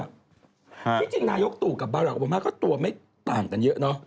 ที่จริงนายกตู่กับบาราโอบามาก็ตัวไม่ต่างกันเยอะเนอะ